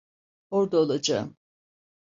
Orda olacağım.